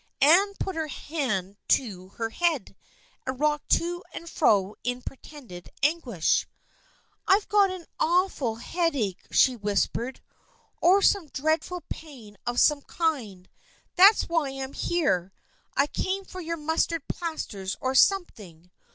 Anne put her hand to her head and rocked to and fro in pretended an guish. " I've got an awful headache," she whispered, " or some dreadful pain of some kind. That's why I am here. I came for your mustard plasters or something.